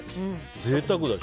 贅沢だし。